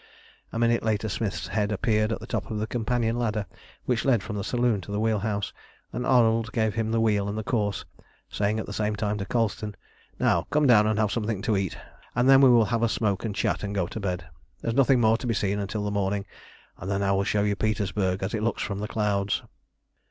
A minute later Smith's head appeared at the top of the companion ladder which led from the saloon to the wheel house, and Arnold gave him the wheel and the course, saying at the same time to Colston "Now, come down and have something to eat, and then we will have a smoke and a chat and go to bed. There is nothing more to be seen until the morning, and then I will show you Petersburg as it looks from the clouds."